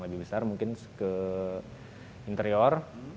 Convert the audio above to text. lebih besar mungkin ke interior